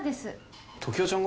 常盤ちゃんが？